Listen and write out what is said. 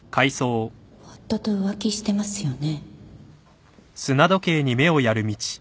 夫と浮気してますよね？